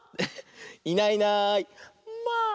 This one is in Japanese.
「いないいないまあ！」。